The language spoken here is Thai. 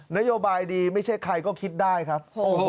นโยบายดีไม่ใช่ใครก็คิดได้ครับ